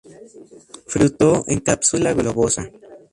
Fruto en cápsula globosa.